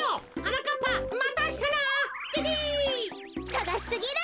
さがしすぎる！